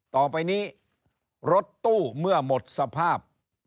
ต่อไปนี้รถตู้เมื่อหมดสภาพ